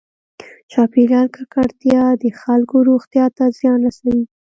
چاپېریال ککړتیا د خلکو روغتیا ته زیان رسوي.